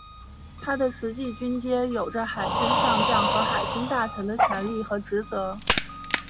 他的实际军阶有着海军上将和海军大臣的权力和职责。